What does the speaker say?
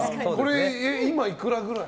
今、いくらぐらい？